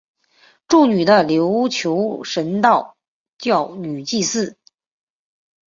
祝女的琉球神道教女祭司。